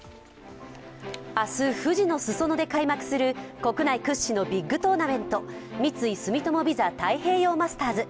明日、富士の裾野で開幕する国内屈指のビッグトーナメント三井住友ＶＩＳＡ太平洋マスターズ。